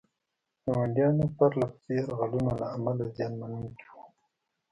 ګاونډیانو پرله پسې یرغلونو له امله زیان منونکي وو.